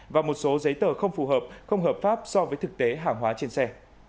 và một số giấy tờ không phù hợp không hợp pháp so với thực tế hàng hóa trên xe